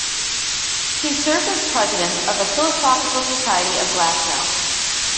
He served as president of the Philosophical Society of Glasgow.